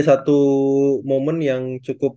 satu momen yang cukup